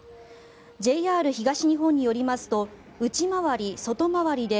ＪＲ東日本によりますと内回り・外回りで